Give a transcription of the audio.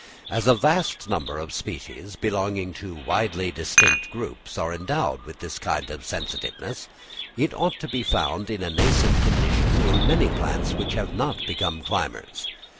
As a vast number of species, belonging to widely distinct groups, are endowed with this kind of sensitiveness, it ought to be found in a nascent condition in many plants which have not become climbers.